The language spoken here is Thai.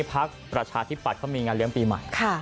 พักประชาธิปัตย์เขามีงานเลี้ยงปีใหม่